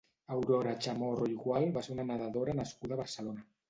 Aurora Chamorro i Gual va ser una nedadora nascuda a Barcelona.